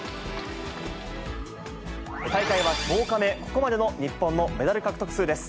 大会は１０日目、ここまでの日本のメダル獲得数です。